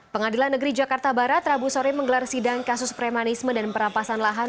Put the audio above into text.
pengadilan negeri jakarta barat rabu sore menggelar sidang kasus premanisme dan perampasan lahan